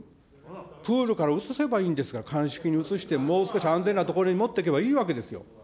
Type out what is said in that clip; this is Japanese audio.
プールから移せばいいんですから、かんしきに移して、もう少し安全な所に持っていけばいいんですよ。